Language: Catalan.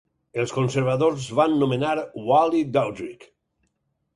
Els Conservadors van nomenar Wally Daudrich.